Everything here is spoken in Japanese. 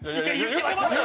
言ってましたよ！